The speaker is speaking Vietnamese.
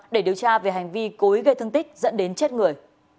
để điều tra về hành vi cối gây thương tích dẫn đến chết người